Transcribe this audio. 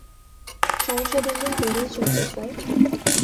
সমস্যা দিন দিন বেড়েই চলছে, স্যার।